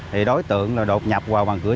thì đối tượng đột nhập vào bàn cửa